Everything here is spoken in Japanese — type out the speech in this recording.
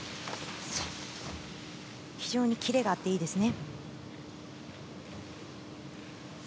非常にキレがあっていいですね。